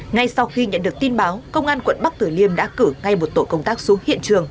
ngay sau khi nhận được tin báo công an quận bắc tử liêm đã cử ngay một tổ công tác xuống hiện trường